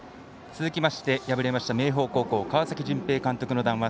続きまして敗れました明豊高校川崎絢平監督の談話